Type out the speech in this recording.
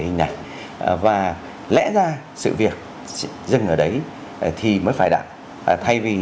hình này và lẽ ra sự việc dừng ở đấy thì mới phải đặt thay vì